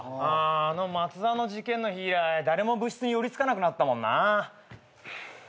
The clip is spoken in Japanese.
あのマツザワの事件の日以来誰も部室に寄りつかなくなったもんな。